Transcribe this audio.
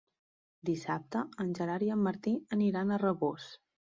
Dissabte en Gerard i en Martí aniran a Rabós.